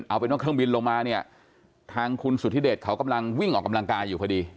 เอาเป็นว่าเครื่องบินลงมาเนี่ยทางคุณสุธิเดชเขากำลังวิ่งออกกำลังกายอยู่พอดี